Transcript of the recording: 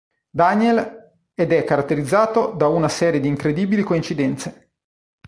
Daniel ed è caratterizzato da una serie di incredibili coincidenze.